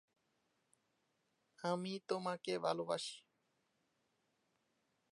বান্দরবান জেলার নামকরণ নিয়ে একটি কিংবদন্তি রয়েছে।